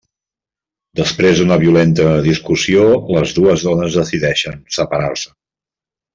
Després d'una violenta discussió, les dues dones decideixen separar-se.